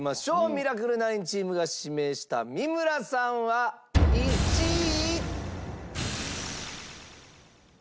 ミラクル９チームが指名した三村さんは１位。